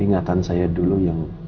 ingatan saya dulu yang